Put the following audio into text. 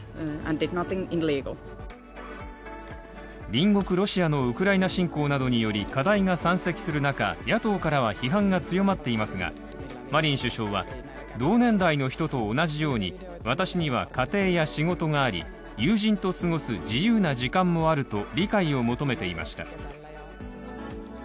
隣国ロシアのウクライナ侵攻などにより課題が山積する中、野党からは批判が強まっていますがマリン首相は同年代の人と同じように私には家庭や仕事があり友人と過ごす自由な時間もあると理解を求めていました。